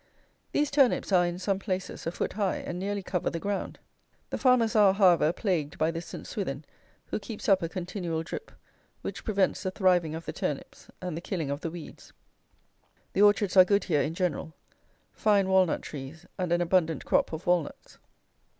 These turnips are, in some places, a foot high, and nearly cover the ground. The farmers are, however, plagued by this St. Swithin, who keeps up a continual drip, which prevents the thriving of the turnips and the killing of the weeds. The orchards are good here in general. Fine walnut trees, and an abundant crop of walnuts.